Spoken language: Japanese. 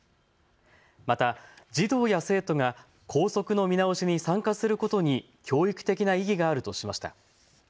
また、児童や生徒が校則の見直しに参加することに教育的な意義があるとしました。